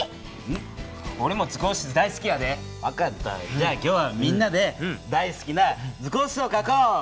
じゃあ今日はみんなで大好きな図工室をかこう！